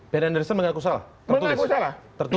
ben anderson mengaku salah